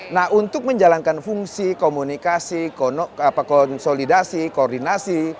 nah untuk menjalankan fungsi komunikasi konsolidasi koordinasi